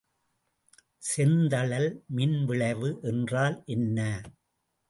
செந்தழல் மின்விளைவு என்றால் என்ன?